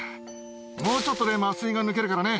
もうちょっとで麻酔が抜けるからね。